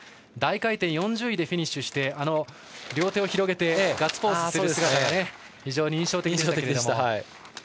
大回転４０位でフィニッシュして両手を広げてガッツポーズする姿が非常に印象的でした。